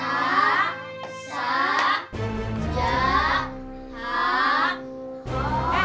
apaan sih anak anak ucil pada sini